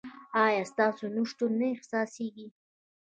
ایا ستاسو نشتون نه احساسیږي؟